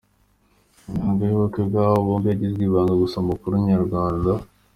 Imihango y'ubukwe bw'aba bombi yagizwe ibanga gusa amakuru Inyarwanda.